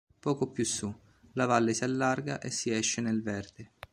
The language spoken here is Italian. Poco più su, la valle si allarga e si esce nel verde.